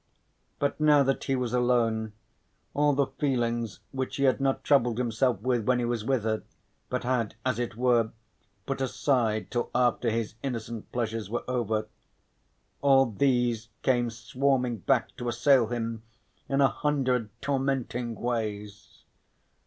But now that he was alone, all the feelings which he had not troubled himself with when he was with her, but had, as it were, put aside till after his innocent pleasures were over, all these came swarming back to assail him in a hundred tormenting ways.